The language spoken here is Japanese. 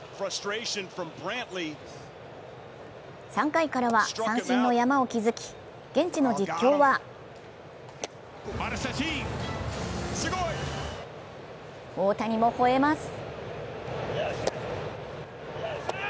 ３回からは三振の山を築き、現地の実況は大谷もほえます。